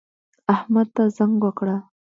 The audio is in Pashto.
احمد ته زنګ وکړه